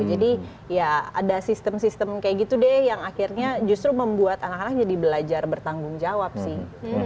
jadi ya ada sistem sistem kayak gitu deh yang akhirnya justru membuat anak anak jadi belajar bertanggung jawab sih